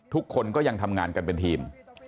ทุกคนก็ยังทำงานกันเป็นทีม